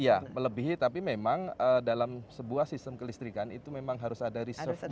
iya melebihi tapi memang dalam sebuah sistem kelistrikan itu memang harus ada reserve